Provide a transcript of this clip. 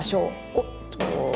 おっと。